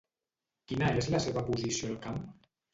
Quina és la seva posició al camp?